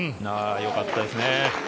よかったですね。